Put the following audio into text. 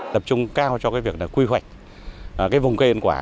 tập trung cao cho việc quy hoạch vùng cây yên quả